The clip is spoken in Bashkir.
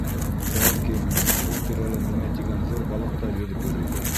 Бәлки, был тирәлә миңә тигән ҙур балыҡ та йөҙөп йөрөйҙөр?